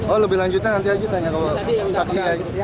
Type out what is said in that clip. oh lebih lanjutnya nanti aja tanya kalau saksi aja